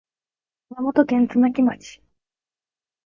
熊本県津奈木町